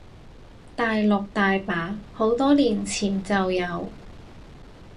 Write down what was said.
大陸大把，好多年前就有